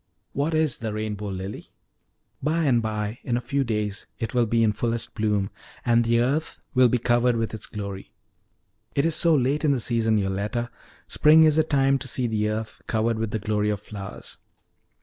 "What is the rainbow lily?" "By and by, in a few days, it will be in fullest bloom, and the earth will be covered with its glory." "It is so late in the season, Yoletta! Spring is the time to see the earth covered with the glory of flowers."